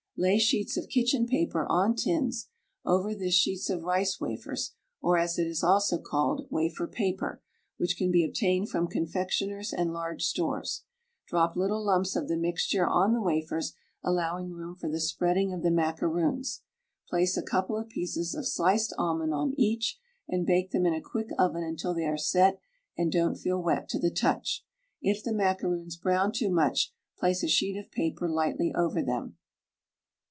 Lay sheets of kitchen paper on tins, over this sheets of rice wafers (or, as it is also called, "wafer paper"), which can be obtained from confectioners and large stores; drop little lumps of the mixture on the wafers, allowing room for the spreading of the macaroons, place a couple of pieces of sliced almond on each, and bake them in a quick oven until they are set and don't feel wet to the touch. If the macaroons brown too much, place a sheet of paper lightly over them.